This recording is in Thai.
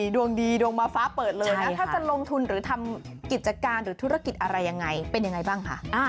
ดวงดีดวงมาฟ้าเปิดเลยนะถ้าจะลงทุนหรือทำกิจการหรือธุรกิจอะไรยังไงเป็นยังไงบ้างคะ